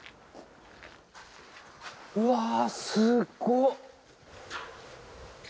うわすごっ！